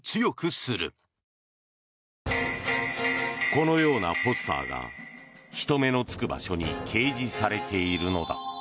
このようなポスターが人目のつく場所に掲示されているのだ。